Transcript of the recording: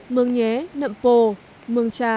mương nhé nậm pồ mương trà